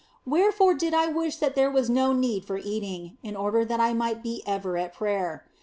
Wherefore did I wish that there were no need for eating, in order that I might be ever at prayer.